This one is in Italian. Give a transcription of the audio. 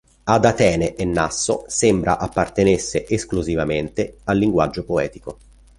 Ad Atene e Nasso sembra appartenesse esclusivamente al linguaggio poetico.